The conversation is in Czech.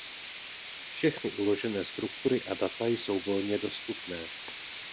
Všechny uložené struktury a data jsou volně dostupné.